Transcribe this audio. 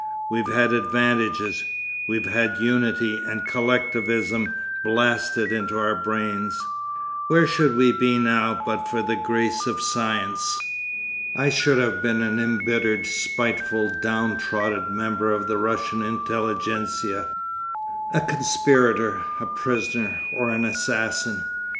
We've had advantages; we've had unity and collectivism blasted into our brains. Where should we be now but for the grace of science? I should have been an embittered, spiteful, downtrodden member of the Russian Intelligenza, a conspirator, a prisoner, or an assassin.